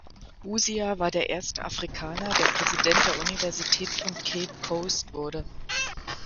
Busia war der erste Afrikaner, der Präsident der Universität von Cape Coast wurde.